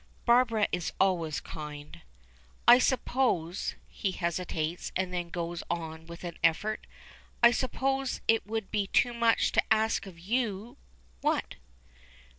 "Barbara is always kind." "I suppose" he hesitates, and then goes on with an effort "I suppose it would be too much to ask of you " "What?"